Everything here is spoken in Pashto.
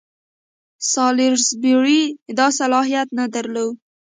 سالیزبوري دا صلاحیت نه درلود.